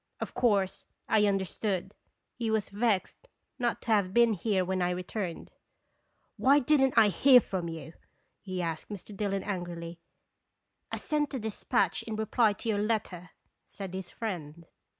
Of course, I understood he was vexed not to have been here when I returned. "Why didn't I hear from you?" he asked Mr. Dillon, angrily. "I sent a dispatch in reply to your letter," said his friend.